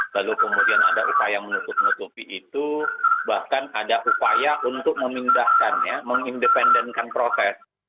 lalu kemudian ada upaya menutup nutupi itu bahkan ada upaya untuk memindahkan ya mengindependenkan proses